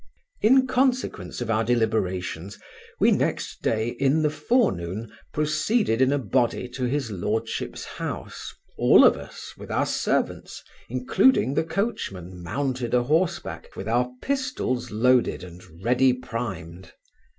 In consequence of our deliberations, we next day, in the forenoon, proceeded in a body to his lordship's house, all of us, with our servants, including the coachman, mounted a horseback, with our pistols loaded and ready primed.